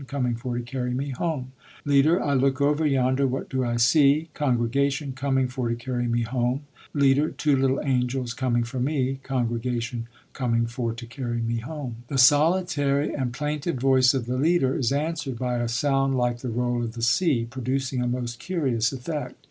Coming for to carry me home. Leader. I look over yonder, what do I see? Congregation. Coming for to carry me home. Leader. Two little angels coming after me. Congregation. Coming for to carry me home.... The solitary and plaintive voice of the leader is answered by a sound like the roll of the sea, producing a most curious effect.